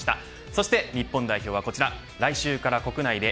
そして日本代表はこちら来週から国内で